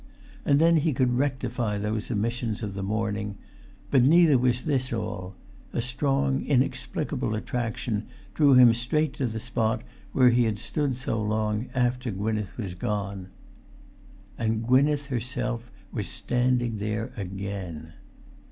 And then he could rectify those omissions of the morning; but neither was this all; a strong inexplicable attraction drew him straight to the spot where he had stood so long after Gwynneth was gone. And Gwynneth herself was standing there again!